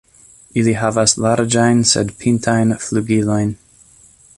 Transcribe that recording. Ili havas larĝajn sed pintajn flugilojn.